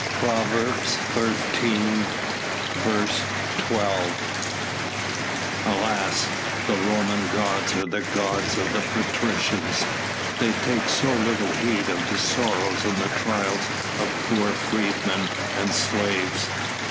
PROVERBS XIII. 12. Alas, the Roman gods are the gods of the patricians! They take so little heed of the sorrows and the trials of poor freedmen and slaves!